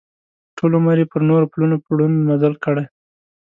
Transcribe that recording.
ټول عمر یې پر نورو پلونو ړوند مزل کړی.